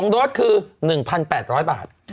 โดสคือ๑๘๐๐บาท